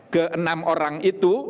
ke enam orang itu